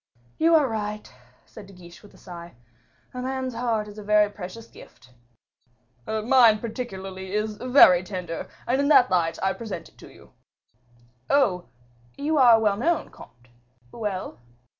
"You are right," said De Guiche with a sigh; "a man's heart is a very precious gift." "Mine particularly is very tender, and in that light I present it to you." "Oh! you are well known, comte. Well?"